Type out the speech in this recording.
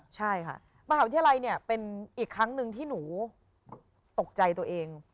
ใช่ค่ะมหาวิทยาลัยเนี่ยเป็นอีกครั้งหนึ่งที่หนูตกใจตัวเอง